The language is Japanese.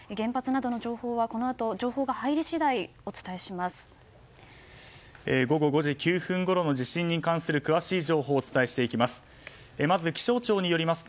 原発などの情報はこのあと情報が入り次第午後５時９分ごろの地震の詳しい情報をお伝えします。